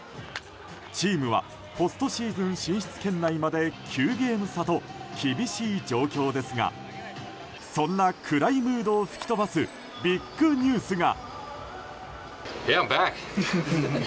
チームはポストシーズン進出圏内まで９ゲーム差と厳しい状況ですがそんな暗いムードを吹き飛ばすビッグニュースが！